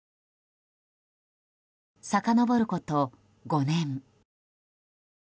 さかのぼること、５年。